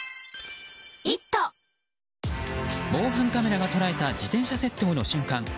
防犯カメラが捉えた自転車窃盗の瞬間。